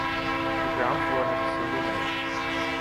The ground floor has a single nave.